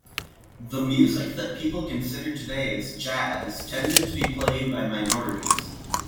The music that people consider today as "jazz" tended to be played by minorities.